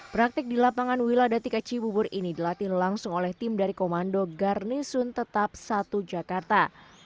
praktik di lapangan wiladatika cibubur ini dilatih langsung oleh tim dari komando garnisun tetap satu jakarta